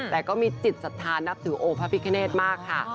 แต่ก็มีจิตศรัทธานับถือองค์พระพิคเนธมากค่ะ